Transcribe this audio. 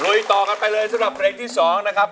ต่อกันไปเลยสำหรับเพลงที่๒นะครับ